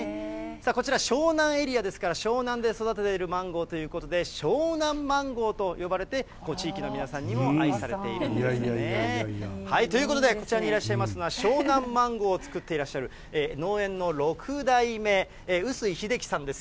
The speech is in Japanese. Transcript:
こちら、湘南エリアですから、湘南で育てているマンゴーということで、湘南マンゴーと呼ばれて、地域の皆さんにも愛されているんですよね。ということで、こちらにいらっしゃいますのは、湘南マンゴーを作ってらっしゃる農園の６代目、臼井秀企さんです。